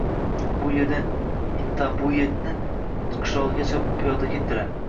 U yerdan Intabuyeti qishlogʻigacha piyoda ketdilar.